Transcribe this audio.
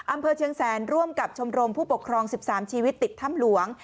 อำเภอเชียงแสนร่วมกับชมรมผู้ปกครอง๑๓ชีวิตติดถ้ำหลวง